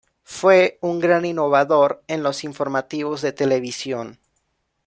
Fue un gran innovador en los informativos de televisión.